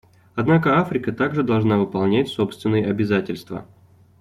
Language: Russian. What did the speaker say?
Однако Африка также должна выполнять собственные обязательства.